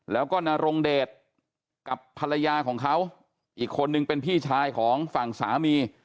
แล้วก็นรงเดชกับภรรยาของเขาอีกคนนึงเป็นพี่ชายของฝั่งสามี